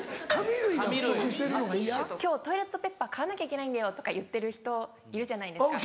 「今日トイレットペッパー買わなきゃいけないんだよ」とか言ってる人いるじゃないですか。